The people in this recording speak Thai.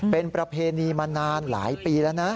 เป็นประเพณีมานานหลายปีแล้วนะ